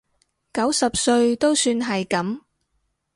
九十歲都算係噉